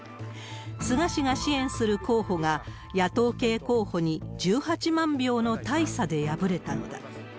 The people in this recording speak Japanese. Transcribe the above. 菅氏が支援する候補が野党系候補に１８万票の大差で敗れたのだ。